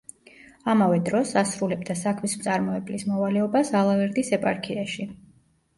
ამავე დროს ასრულებდა საქმის მწარმოებლის მოვალეობას ალავერდის ეპარქიაში.